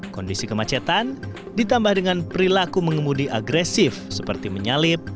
kondisi kemacetan ditambah dengan perilaku mengemudi agresif seperti menyalip